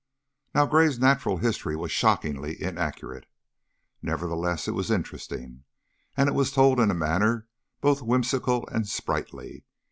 Now Gray's natural history was shockingly inaccurate, nevertheless it was interesting, and it was told in a manner both whimsical and sprightly.